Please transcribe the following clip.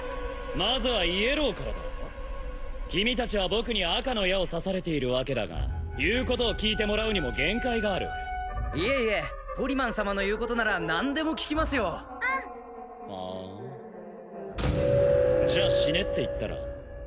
まずはイエローからだ君達は僕に赤の矢を刺されているわけだが言うことを聞いてもらうにも限界があるいえいえポリマン様の言うことなら何でも聞きますようんふーんじゃあ死ねって言ったら？